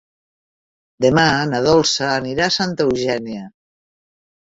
Demà na Dolça anirà a Santa Eugènia.